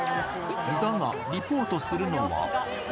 だが、リポートするのは。